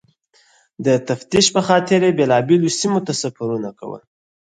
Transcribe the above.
د تفتیش پخاطر یې بېلابېلو سیمو ته سفرونه کول.